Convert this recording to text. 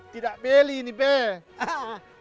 tidak beli ini bang